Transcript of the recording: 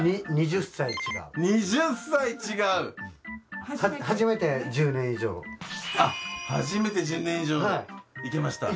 ２０歳違う２０歳違う初めて１０年以上初めて１０年以上いけました？